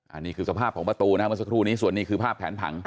อันนี้คือสภาพของประตูนะครับเมื่อสักครู่นี้ส่วนนี้คือภาพแผนผัง